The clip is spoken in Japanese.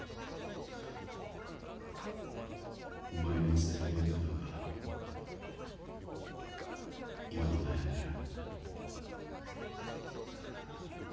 お前に伝えるべきかどうか今も悩んでる。